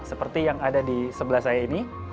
seperti yang ada di sebelah saya ini